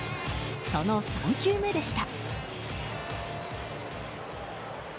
その３球目でした。